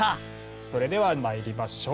それでは参りましょう。